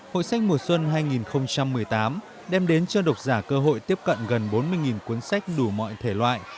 hội sách mùa xuân hai nghìn một mươi tám đem đến cho độc giả cơ hội tiếp cận gần bốn mươi cuốn sách đủ mọi thể loại